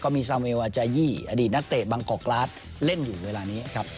มีซาเวลวาจายี่อดีตนักเตะบางกอกกราศเล่นอยู่เวลานี้ครับ